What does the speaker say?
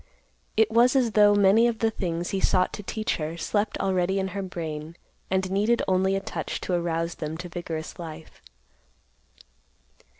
It was as though many of the things he sought to teach her slept already in her brain, and needed only a touch to arouse them to vigorous life.